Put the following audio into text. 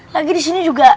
lagi disini juga